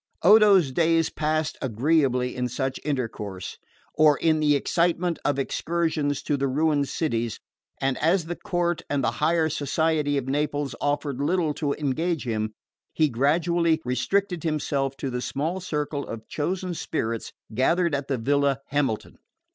Odo's days passed agreeably in such intercourse, or in the excitement of excursions to the ruined cities; and as the court and the higher society of Naples offered little to engage him, he gradually restricted himself to the small circle of chosen spirits gathered at the villa Hamilton.